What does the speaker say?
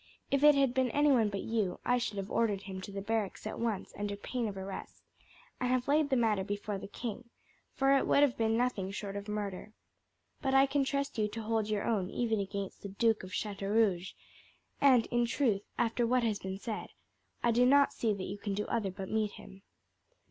"If it had been anyone but you I should have ordered him to the barracks at once under pain of arrest, and have laid the matter before the king, for it would have been nothing short of murder. But I can trust you to hold your own even against the Duke of Chateaurouge. And, in truth, after what has been said, I do not see that you can do other but meet him."